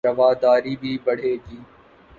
رواداری بھی بڑھے گی